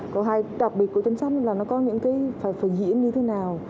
còn hai đặc biệt của trinh sát là nó có những cái phải diễn như thế nào